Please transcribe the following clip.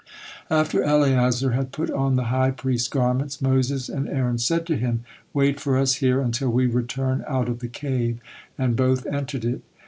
After Eleazar had put on the high priest's garments, Moses and Aaron said to him: "Wait for us here until we return out of the cave," and both entered it.